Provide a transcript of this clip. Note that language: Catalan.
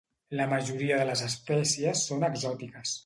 La majoria de les espècies són exòtiques.